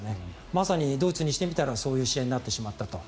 まさにドイツにしてみたらそういう試合になってしまったと。